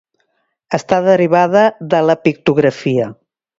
Està derivada de la pictografia.